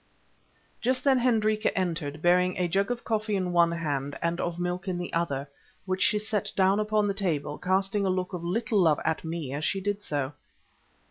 Just then Hendrika entered, bearing a jug of coffee in one hand and of milk in the other, which she set down upon the table, casting a look of little love at me as she did so.